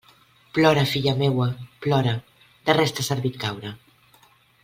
Plora, filla meua, plora; de res t'ha servit caure.